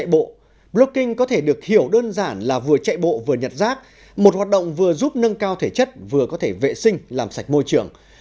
bộ blocking có thể được hiểu đơn giản là vừa chạy bộ vừa nhặt rác một hoạt động vừa giúp nâng cao thể chất vừa có thể vệ sinh làm sạch môi trường